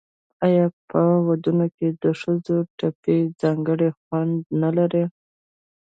آیا په ودونو کې د ښځو ټپې ځانګړی خوند نلري؟